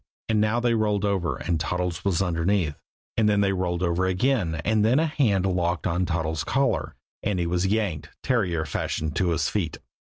And now they rolled over, and Toddles was underneath; and then they rolled over again; and then a hand locked on Toddles' collar, and he was yanked, terrier fashion, to his feet.